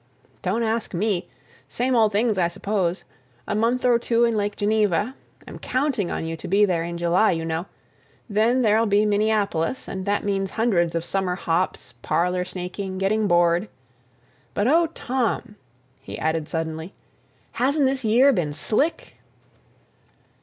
"Don't ask me—same old things, I suppose. A month or two in Lake Geneva—I'm counting on you to be there in July, you know—then there'll be Minneapolis, and that means hundreds of summer hops, parlor snaking, getting bored—But oh, Tom," he added suddenly, "hasn't this year been slick!"